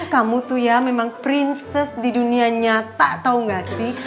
kamu tuh ya memang princess di dunia nyata tau gak sih